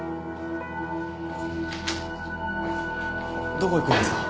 どこ行くんですか？